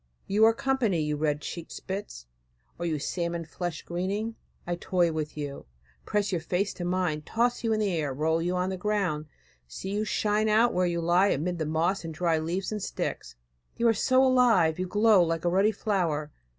You are company, you red cheeked spitz, or you salmon fleshed greening! I toy with you; press your face to mine, toss you in the air, roll you on the ground, see you shine out where you lie amid the moss and dry leaves and sticks. You are so alive! You glow like a ruddy flower.